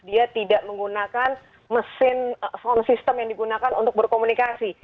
dia tidak menggunakan mesin sound system yang digunakan untuk berkomunikasi